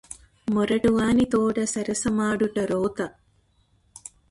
మొరటువానితోడ సరసమాడుట రోత